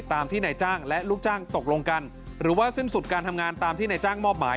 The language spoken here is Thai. ตามที่นายจ้างและลูกจ้างตกลงกันหรือว่าสิ้นสุดการทำงานตามที่นายจ้างมอบหมาย